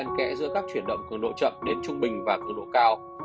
tập thể dục dựa trên kẽ giữa các chuyển động cường độ chậm đến trung bình và cường độ cao